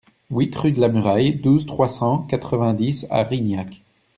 huit rue de la Muraille, douze, trois cent quatre-vingt-dix à Rignac